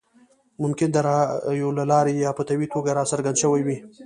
ممکن د رایو له لارې یا په طبیعي توګه راڅرګند شوی وي.